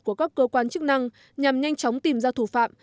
của các cơ quan chức năng nhằm nhanh chóng tìm ra thủ phạm